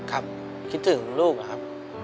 คัปคิดถึงลูกนะครับ